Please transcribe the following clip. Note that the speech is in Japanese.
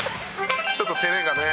ちょっと照れがね」